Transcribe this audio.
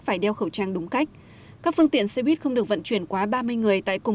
phải đeo khẩu trang đúng cách các phương tiện xe buýt không được vận chuyển quá ba mươi người tại cùng